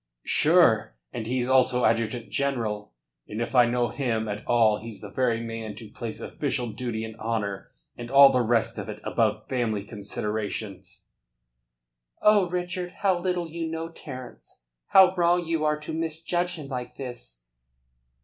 "Sure, and he's also adjutant general, and if I know him at all he's the very man to place official duty and honour and all the rest of it above family considerations." "Oh, Richard, how little you know Terence! How wrong you are to misjudge him like this!"